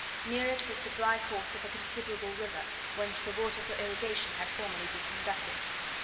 Near it was the dry course of a considerable river, whence the water for irrigation had formerly been conducted.